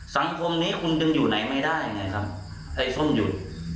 สังคมนี้คุณดึงอยู่ไหนไม่ได้ไงครับไอ้ส้มหยุด